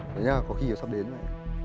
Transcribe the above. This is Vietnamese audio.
thế nhá có khi nó sắp đến đấy